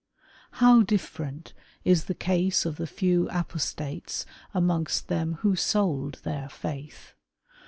How different is the case of the few apostates amongst them who sold their faith